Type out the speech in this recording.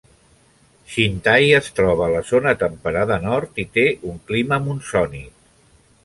Xintai es troba a la zona temperada nord i té un clima monsònic.